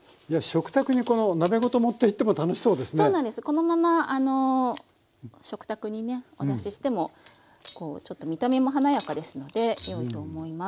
このまま食卓にねお出ししてもこうちょっと見た目も華やかですのでよいと思います。